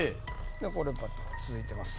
これ続いてます。